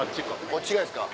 こっち側ですか。